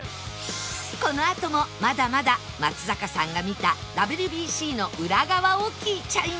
このあともまだまだ松坂さんが見た ＷＢＣ の裏側を聞いちゃいます